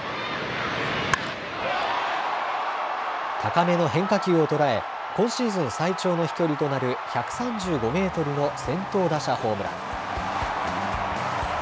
高めの変化球を捉え今シーズン最長の飛距離となる１３５メートルの先頭打者ホームラン。